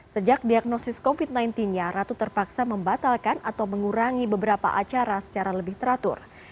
sejak diagnosis covid sembilan belas nya ratu terpaksa membatalkan atau mengurangi beberapa acara secara lebih teratur